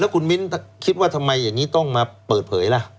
คุณมิ้นคิดว่าทำไมอย่างนี้ต้องมาเปิดเผยล่ะ